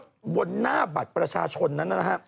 ตรงบนน่าบัตรประชาชนนั้น